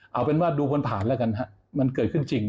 เอาเป็นว่าดูบนฐานแล้วกันฮะมันเกิดขึ้นจริง